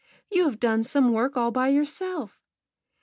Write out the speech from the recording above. You have done some work all by yourself."